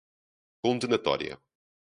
condenatória